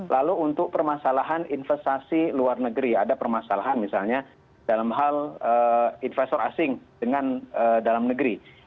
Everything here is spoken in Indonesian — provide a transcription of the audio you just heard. lalu untuk permasalahan investasi luar negeri ada permasalahan misalnya dalam hal investor asing dengan dalam negeri